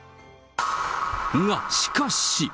が、しかし。